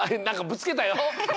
なんかぶつけたよ。